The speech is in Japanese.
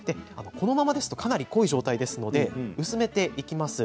このままですとかなり濃い状態ですので、薄めていきます。